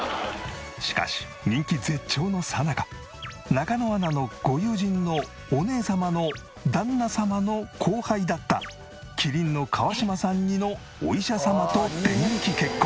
しかし人気絶頂のさなか中野アナのご友人のお姉様の旦那様の後輩だった麒麟の川島さん似のお医者様と電撃結婚。